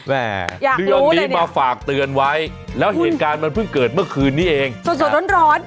เรื่องนี้มาฝากเตือนไว้แล้วเหตุการณ์มันเพิ่งเกิดเมื่อคืนนี้เองสดร้อน